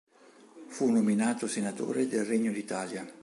Fu nominato senatore del Regno d'Italia.